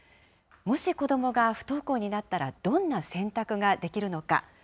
もし子どもが不登校になったらどんな選択ができるのか。